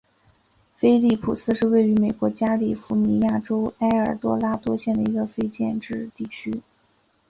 菲利普斯是位于美国加利福尼亚州埃尔多拉多县的一个非建制地区。